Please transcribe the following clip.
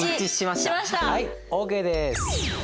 はいＯＫです。